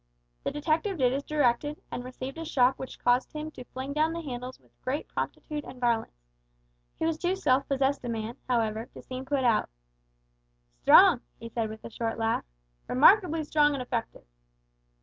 The detective did as directed, and received a shock which caused him to fling down the handles with great promptitude and violence. He was too self possessed a man, however, to seem put out. "Strong!" he said, with a short laugh; "remarkably strong and effective."